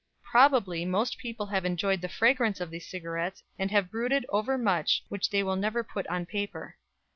Probably most people have enjoyed the fragrance of these cigarettes and have brooded over much which they will never put on paper.